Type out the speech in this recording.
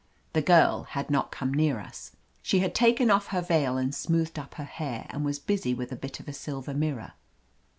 The girl had not come near us. She had taken off her veil and smoothed up her hair, and was busy with a bit of a silver mirror.